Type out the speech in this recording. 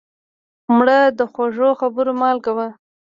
مړه د خوږو خبرو مالګه وه